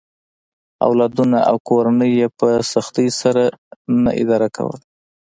اولادونه او کورنۍ یې په سختۍ سره نه اداره کوله.